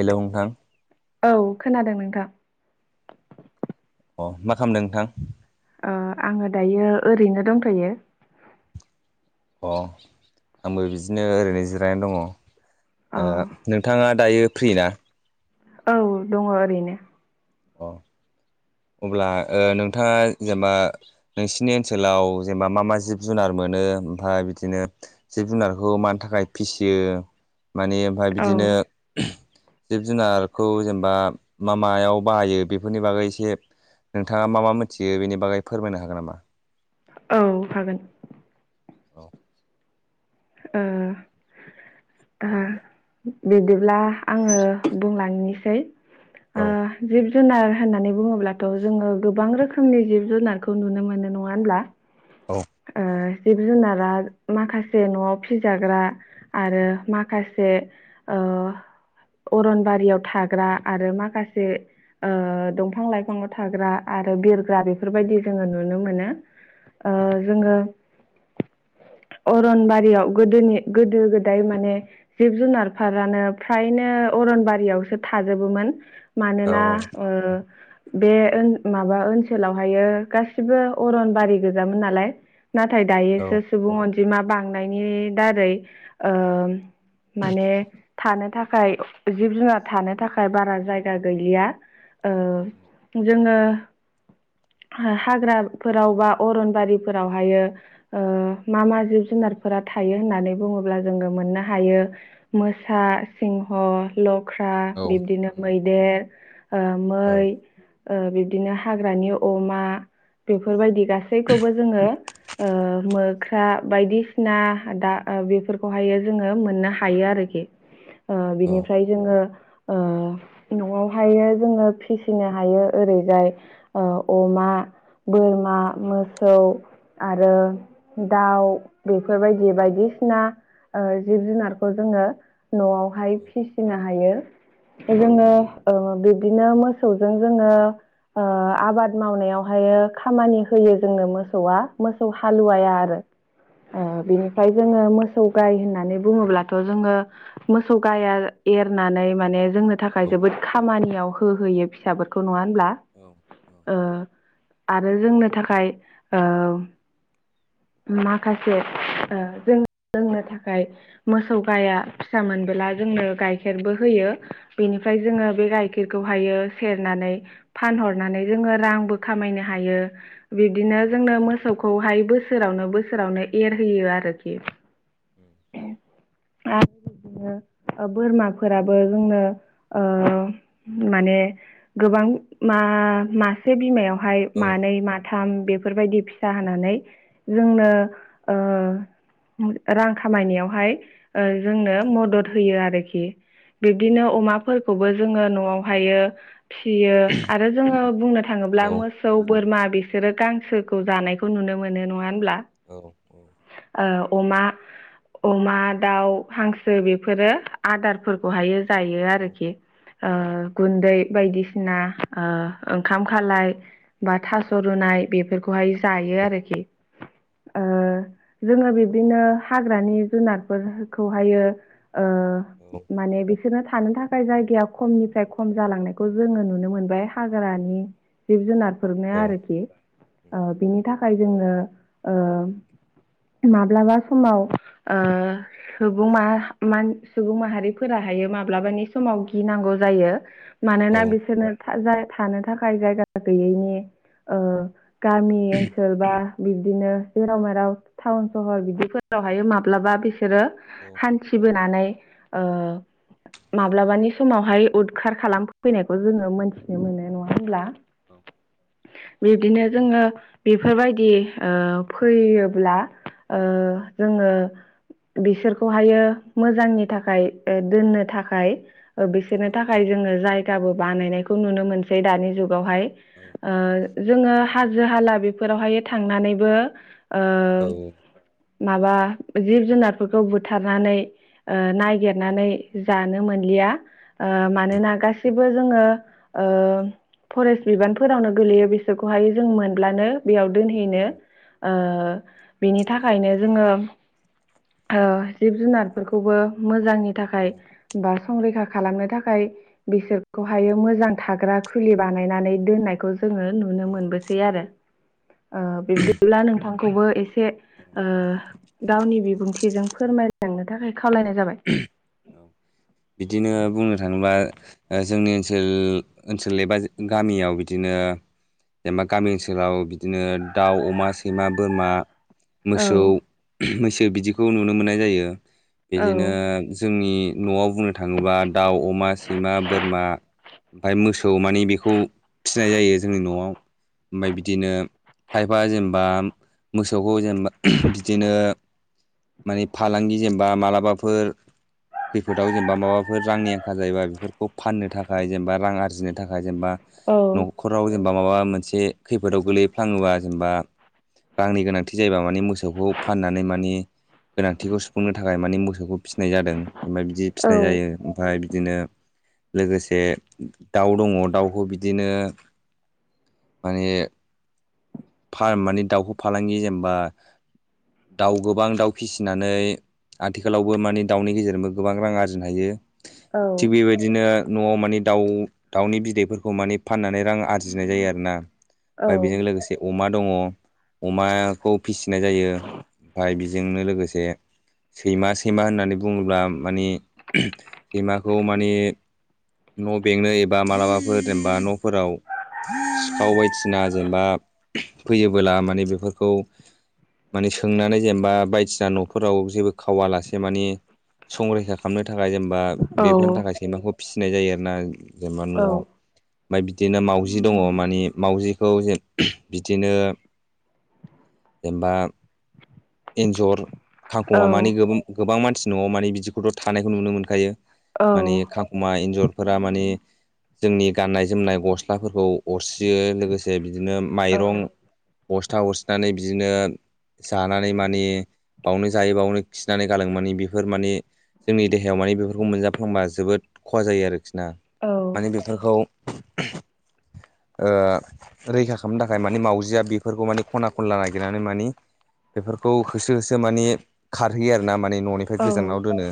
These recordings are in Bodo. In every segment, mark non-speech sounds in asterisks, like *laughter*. हेल' नोंथां औ खोनादों नोंथां अ मा खालामदों नोंथां। आङो दायो ओरैनो दंथ'यो अ आंबो बिदिनो ओरैनो जिरायनानै दङ औ ओ नोंथाङा दायो फ्रि ना औ दङ ओरैनो अ अब्ला ओ नोंथाङा जेनेबा नोंसिनि ओनसोलाव जेनेबा मा मा जिब-जुनारमो नो ओमफ्राय बिदिनो जिब-जुनारखौ मानि थाखाय फिसियो मानि ओमफ्राय औ बिदिनो जिब-जुनारखौ जेनेबा मा मायाव बाहायो बेफोरनि बागै एसे नोंथाङा मा मा मिथियो बेनि बागै फोरमायनो हागोन नामा? औ हागोन औ ओ ओ बिदिब्ला आङो बुंलांनोसै औ औ ओ जिब जुनार होननानै बुङोब्लाथ' जोङो गोबां रोखोमनि जिब-जुनारखौ नुनो मोनो नङा होनोमब्ला औ आ जिब-जुनारा माखासे न'आव फिजाग्रा आरो माखासे ओ अरनबारियाव थाग्रा आरो माखासे ओ दंफां-लाइफाङाव थाग्रा आरो बिरग्रा बेफोरबायदि जोङो नुनो मोनो। ओ जोङो अरनबारियाव गोदोनि गोदो गोदाय माने जिब-जुनार फ्रायनो अरनबारियावसो थाजोबोमोन मानोना औ ओ बे ओन माबा ओनसोलावहायो गासिबो अरन बारि गोजामोन नालाय नाथाय दायोसो सुबुं अनजिमा बांनायनि दारै ओ माने थानो थाखाय जिब-जुनार थानो थाखाय बारा जायगा गैलिया अ जोङो हा-हाग्राफोराव बा अरनबारिफोरावहायो अ मा मा जिब जु नारफोरा थायो होननानै बुङोब्ला जोङो मोननो हायो। मोसा, सिंह, लख्रा औ बिब्दिनो मैदेर ओ औ मै ओ बिब्दिनो हाग्रानि अमा बेफोरबायदि गासैखौबो जोङो ओ मो ख्रा बायदिसिना दा ओ बेफोरखौहायो जोङो मोननो हायो आरोखि। ओ औ बिनिफ्राय जोङो ओ न'आवहायो जोङो फिसिनो हायो ओरैजाय ओ अमा बोर मा मोसौ आरो दाउ बेफोरबायदि बायदिसिना ओ जिब जुनारफोर जोङो न'आवहाय फिसिनो हायो। जोङो ओ बिब दिनो मोसौजों जोङो अ आबाद मावनायाव हायो खामानि होयो जोंनो मो सौआ मोसौ हालुवाया आरो। ओ बिनिफ्राय जोङो मोसौ गाय होननानै बुङोब्लाथ' जोङो मोसौ गाइया एरनानै माने जोंनो थाखाय औ जोबोद खामानियाव होहोयो फिसाफोरखौ नङा होनब्ला। ओ आरो जोंनो थाखाय ओ माखासे ओ जों लोंनो थाखाय मोसौ गाइया फिसा मोनबोला जोंनो गाइखेरबो होयो बेनिफ्राय जोङो बे गाइखेरखौहायो सेरना नै फानहरनानै जोङो रांबो खामायनो हायो। औ बिब्दिनो जोंनो मोसौखौहाय बोसोरावनो बोसोरावनो एरहोयो आरोखि। उम आ बिदिनो ओ बोरमाफोराबो जोंनो ओ माने गोबां मा-मासे बिमायावहाय औ मानै माथाम बे फोरबायदि फिसा होनानै जोंनो ओ उम रां खामायनायावहाय ओ जोंनो मदद होयो आरोखि। औ बिब्दिनो अमाफोरखौबो जोङो न'आवहायो फियो आरो जोङो बुंनो औ उम औ उम थाङोब्ला औ मोसौ बोरमा बिसोरो गांसोखौ जानायखौ नुनो मोनो नङा होनब्ला? ओ अमा अमा दाउ हांसो बेफोरो आदारफोरखौहायो जायो आरोखि। ओ गुन्दै बायदिसिना ओ ओंखाम खालाय बा थास' रुना नाय बेफोरखौहाय जायो आरोखि। ओ जोङो बिब्दिनो हाग्रानि जुनारफोर खौहायो अ माने बि बिसोरनो थानो थाखाय जायगाया खमनिफ्राय खम जालांनायखौ जोङो नुनो मोनबाय हाग्रानि जिब जुनारफोरनाया आरोखि। ओ बिनि थाखाय जोङो ओ माब्लाबा समाव ओ सुबुं माह- मान- सुबुं माहारिफोराहायो माब्लाबानि समाव गिनांगौ जायो। औ मानोना बिसोरनो था- जा- थानो थाखाय जायगा गैयैनि ओ गामि ओनसोल बा बिब्दिनो जेराव मेराव टाउन सहर बिदिफोर हायो माब्लाबा बिसोरो हान्थिबोनानै ओ माब्लाबानि समावहाय उदखार खालामफैनायखौ जोङो मोनथिनो मोनो नङा होमब्ला? औ बिब्दिनो जोङो बेफोरबायदि ओ फैयोब्ला ओ जोङो बिसोरखौहायो मोजांनि थाखाय दोननो थाखाय बिसोरनो थाखाय जोङो जायगाबो बानायनायखौ नुनो मोनसै दानि जुग आवहाय जोङो हाजो हाला बेफोरावहाय थांनानैबो ओ, माबा जि जुनारफोरखौ बुथारनानै ओ नागिरनानै जानो मोन लिया ओ मानोना गासिबो जोङो ओ फरेस्ट बिबानफोरावनो गोलैयो बिसोरखौहाय जों मोनब्लानो बेयाव दोनहैनो ओ बिनि थाखायनो जोङो ओ जिब जुनारफोरखौबो मोजांनि थाखाय बा संरैखा खालामनो थाखाय बिसोरखौहायो मोजां थाग्रा खुलि बानायनानै दोननायखौ जोङो नुनो मोनबोसै आरो। ओ बिब्दिब्ला नोंथांखौबो एसे ओ गावनि बिबुंथि बिजों फोरमायलांनो थाखाय खावलायनाय जाबाय। औ *inaudible* बिदिनो बुंनो थाङोब्ला ओ जोंनि ओनसोल ओनसोल एबा गामियाव बिदिनो ओ जेनेबा गामि ओनसोलाव बिदिनो दाउ अमा सैमा बोरमा औ मोसौ मैसो बिदिखौ नुनो मोननाय जायो औ बिदिनो आंनि नआव बुंनो थाङोबा दाउ अमा सैमा बोरमा ओमफफ्राय मोसौ मानिे बेखौ फिसिनाय जायो जोंनि नआव ओमफफ्राय बिदिनो खायफा जेनेबा मोसौखौ जेनबा बिदिनो माने फालांगि जेनेबा मालाबाफोर खैफोदाव जेनेबा माबाफोर रांनि आंखाल जायोबा बेफोरखौ फाननो थाखाय जेनेबा रां आरजिनो थाखाय जेनेबा औ नखराव जेनेबा माबा मोनसे खैफोदाव गोलैफ्लाङोबा जेनेबा रांनि गोनांथि जायोबा माने मोसौखौ फाननानै माने गोनांथिखौ सुफुंनो थाखाय मानिे मोसौखौ फिसिनाय जादों जेनबा बिदि औ फिसिनाय जायो ओमफफ्राय बिदिनो लोगोसे दाउ दङ दाउखौ बिदिनो माने फार्म माने दाउखौ फालांगि जेनेबा दाउ गोबां दाउ फिसिनानै आथिखालावबो माने दाउनि गेजेरजोंबो गोबां रां आरजिनो हायो औ थिग बेबायदिनो नआव माने दाउ दाउनि बिदैफोरखौ माने फाननानै रां आरजिनाय जायो आरोना औ ओमफ्राय बेजों लोगोसे अमा दङ अमाखौ फिसिनाय जायो ओमफफ्राय जोंनो लोगोसे सैमा सैमा होननानै बुङोब्ला माने सैमाखौ माने न बेंनो एबा मालाबाफोर जेनेबा नफोराव सिखाव बायदिना जेनेबा फैयोबोला माने बेफोरखौ माने सोंनानै जेनेबा बायदिसिना नफोराव जेबो खावालासे मानिे संरैखा खालामनो थाखाय जेनबा बा औ बेफोरनि थाखाय सैमाखौ फिसिनाय जायो आरोना जेनेबा औ नआव। ओमफ्राय बिदिनो मावजि दङ मानिे मावजिखौ जे बिदिनो जेनबा एन्जर खांखमा मानिे गोबां गोबां मानसि नआव माने बिदिखौथ थानायखौ नुनो मोनखायो औ माने खांखमा एन्जर फोरा माने जोंनि गाननाय जोमनाय गस्लाफोरखौ अरस्रियो लोगोसे बि बिदिनो माइरं बस्था अरसिनानै बिदिनो जानानै मा माने बावनो जायो बावनो खिनानै गालांङो माने बेफोर माने जोंनि देहायाव मानि बेफोरखौ मोनजाफ्लांबा जोबोद खहा जायो आरोखि ना माने बेफोरखौ *unintelligible* ओ रैखा खालामनो थाखाय मानि मावजिया बेफोरखौ माने खना खनला नागिरनानै मानि बेफोरखौ होसो होसो माने खारहैयो आरोना माने ननिफ्राय गोजानाव दोनो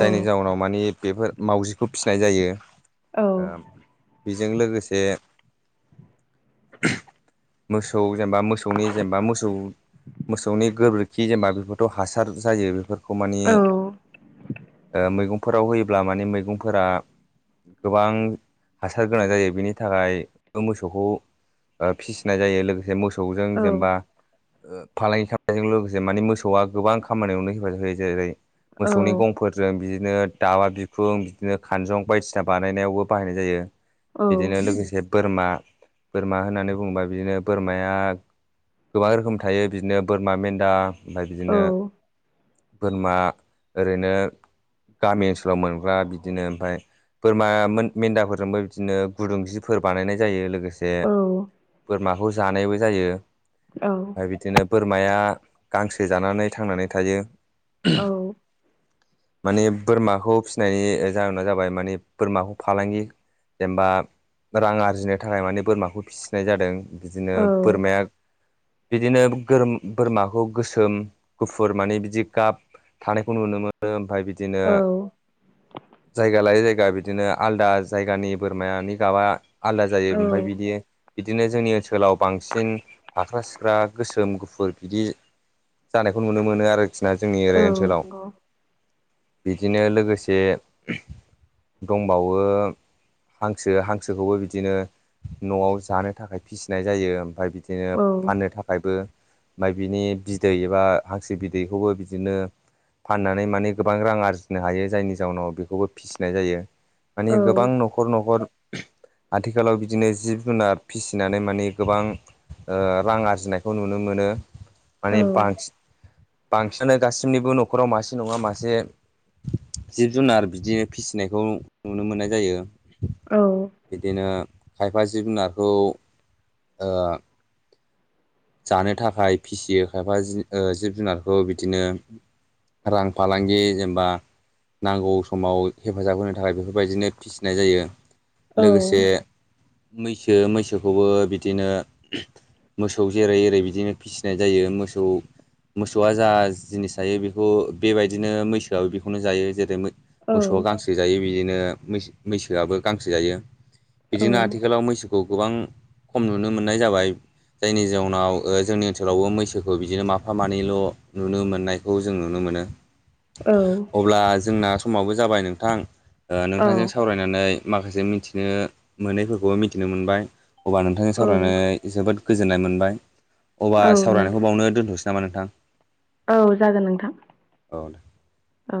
जायनि जाउनाव मानि बेफोर मावउजिखौ फिसिनाय जायो। औ ओम बेजों लोगोसे मोसौ जेनेबा मोसौनि जेनेबा मोसौ मोस सौनि गोबोरखि जेनेबा बेफोरथ हासार जायो बेफोरखौ मानि ओ मैगं फोराव होयोब्ला माने मैगंफोरा गोबां हासार गोनां जायो बेनि थाखाय बोमोसौखौ ओ फिसिनाय जायो लोगोसे मोसौजों जेनेबा ओ फालांगि खा जों लोगोसे मानि मोसौआ गोबां खामानियावनो हेफाजाब होयो जे-जेरै मोसौनि गंफोरजों बिदिनो दाबा बिखुं बिदिनो खानजं बायदिसिना बानायनायावबो बाहायनाय जायो बिदिनो लोगोसे बोरमा बोरमा होननानै बुङोबा बिदिनो बोरमाया गोबां रोखोम थायो बिदिनो बोरमा मेन्दा ओमफ्राय बिदिनो बोरमा ओरैनो गामि ओनसोलाव मोनग्रा बिदिनो ओमफाय बोरमा मोन मेन्दाफोरजोंबो बिदिनो गुदुं जिफोर बानायनाय जायो लोगोसे औ माखौ जानायबो जायो आरो बिदिनो बोरमाया गांसो जानानै थांनानै थायो औ माने बोरमाखौ फिसिनायनि जाहोना जाबाय माने बोरमाखौ फालांगि जेनेबा रां आरजिनो थाखाय माने बोरमाखौ फिसिनाय जादों बिदिनो बोरमाया बिदिनो गोरम बोरमाखौ गोसोम गुफुर माने बिदि गाब थानायखौ नुनो मोनो ओमफाय बिद बिदिनो जायगा लायै जाय जायगा बिदिनो आलदा जायगानि बोरमानि गाबा आलादा औ जायो औ ओमफाय बिदि बिदिनो जोंनि ओनसोलाव बांसिन फाख्रा सिख्रा गोसो सोम गुफुर बिदि जानायखौ नुनो मोनो आरोखि ना जोंनि ओरै ओनसोलाव नंगौ बिदिनो लोगोसे दंबावो हांसो हांसोखौबो बिदिनो नआव जानो थाखाय फिसिनाय जायो ओमफ्राय बिदिनो औ फाननो थाखायबो फाय बिनि बिदै एबा हांसो बिदैखौबो बिदिनो फाननानै माने गोबां रां आरजिनो हायो जायनि जाउनाव बेखौबो फिसिनाय जायो मानि गोबां औ नखर नखर आथिखालाव बिदिनो जिब जुनार फिसिनानै माने गोबां ओ रां आरजिनायखौ नुनो मोनो माने बांस बांसिनानो गासिबनिबो नखराव मासे नङा मासे जिब जुनार बिदिनो फिसिनायखौ नुनो मोननाय जायो औ बिदिनो खायफा जिब जुनारखौ ओ जानो थाखाय फिसियो खायफा जि ओ जिब जुनारखौ बिदिनो रां फालांगि जेनेबा नांगौ समाव हेफाजाब होनो थाखाय बेफोरबायदिनो फिसिनाय जायो औ लोगोसे मैसो मैसोखौबो बिदिनो मोस मोसौ जेरै एरै बिदिनो फिसिनाय जायो मोसौ मोसौआ जा जिनिस जायो बेखौ बेबायदिनो मैसोआबो बेखौनो जायो जेरै औ मोसौआ गांसो जायो बिदिनो मैसो मैसोआबो गांसो जायो बिदिनो आथिखालाव मैसोखौ गोबां खम नुनो मोननाय जाबाय जायनि जाउनाव ओ जोंनि ओनसोलावबो मैसोखौ बिदिनो माफा मानैल नुनो मोननायखौ जों नुनो मोनो औ अब्ला जोंना समावबो जाबाय नोंथां औ नोंथांजों सावरायनानै माखासे मिथिनो मोनैफोरखौबो मिथिनो मोनबाय अब्ला नोंथांजों सावरायनाय जोबोद गोजोननाय मोनबाय अब्ला औ सावरायनायखौ नोंथां बावनो दोन्थ'सै नामा नोंथां औ जागोन नोंथां औ औ